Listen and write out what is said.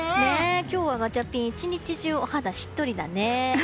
今日はガチャピン１日中お肌しっとりだね。